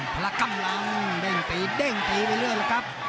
ละกำลังเด้งตีเด้งตีไปเรื่อยแล้วครับ